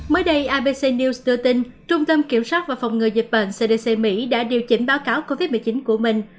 mới đây abc news đưa tin trung tâm kiểm soát và phòng ngừa dịch bệnh cdc mỹ đã điều chỉnh báo cáo covid một mươi chín của mình